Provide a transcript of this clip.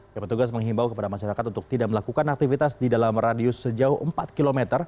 ya petugas menghimbau kepada masyarakat untuk tidak melakukan aktivitas di dalam radius sejauh empat km